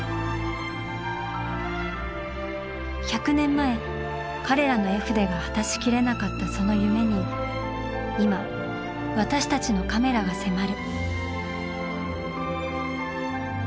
１００年前彼らの絵筆が果たしきれなかったその夢に今私たちのカメラが迫る。